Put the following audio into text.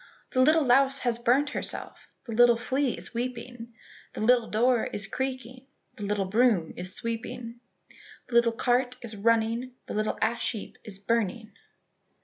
"The little louse has burnt herself, The little flea is weeping, The little door is creaking, The little broom is sweeping, The little cart is running, The little ash heap is burning."